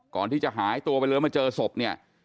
ก่อนที่จะหายตัวไปแล้วมาเจอศพเนี่ย